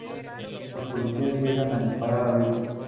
Los policías llegan y disparan a Ricky.